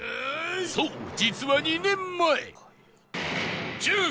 そう実は２年前